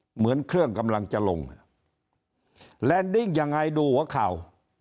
เหมือนเครื่องกำลังจะลงยังไงดูวะข่าว